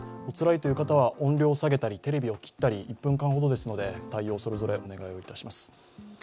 おつらいという方は音量を下げたり、テレビを切ったり１分間ほどですので対応をそれぞれお願いします。